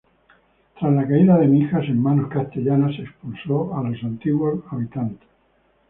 Tras la caída de Mijas en manos castellanas, se expulsó a los antiguos habitantes.